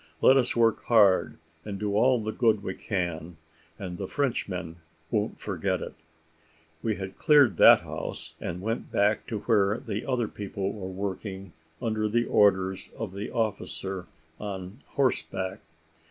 Let us work hard, and do all the good we can, and the Frenchmen won't forget it." We had cleared that house, and went back to where the other people were working under the orders of the officer on horseback.